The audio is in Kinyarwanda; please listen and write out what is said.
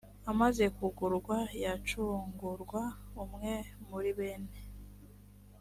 amaze kugurwa yacungurwa umwe muri bene